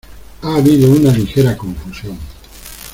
Ha habido una ligera confusión.